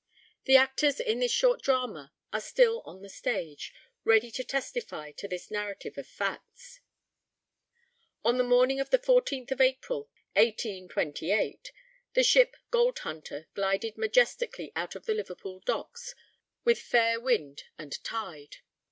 The actors in this short drama are still on the stage, ready to testify to this narrative of facts. On the morning of the 14th of April, 1828, the ship Gold Hunter glided majestically out of the Liverpool docks, with fair wind and tide.